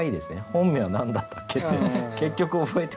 「本名は何だったっけ」って結局覚えてない。